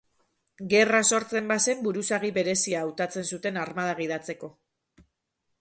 Gerra sortzen bazen, buruzagi berezia hautatzen zuten armada gidatzeko.